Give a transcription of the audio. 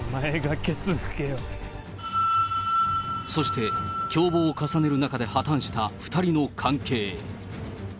そして、共謀を重ねる中で破綻した２人の関係。